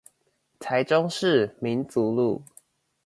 台中市民族路